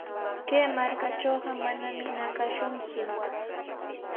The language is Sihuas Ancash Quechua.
Kay markaatrawqa manami ñakashunku.